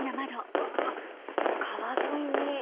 うわ川沿いに。